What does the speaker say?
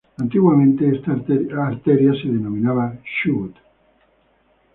Antiguamente, esta arteria se denominaba Chubut.